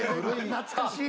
懐かしい。